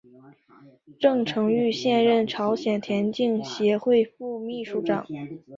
郑成玉现任朝鲜田径协会副秘书长。